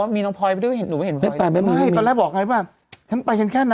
นี่ผินเตะไม่มีบทเลย